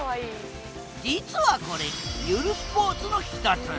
実はこれゆるスポーツの一つ。